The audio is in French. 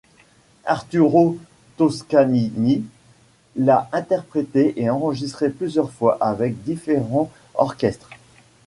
Arturo Toscanini l'a interprétée et enregistrée plusieurs fois avec différents orchestres.